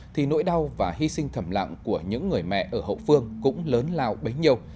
thì nỗi đau và hy sinh thầm lặng của những người mẹ ở hậu phương cũng lớn lao bấy nhiêu